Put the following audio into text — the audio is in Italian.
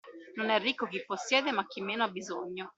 Non è ricco chi possiede ma chi meno ha bisogno.